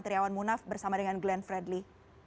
triawan munaf bersama dengan glenn fredly